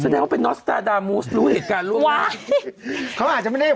นึกออกป่ะเพราะว่านี้คนพูดถึงกันหมดเลย